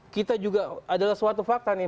kita juga adalah suatu fakta nih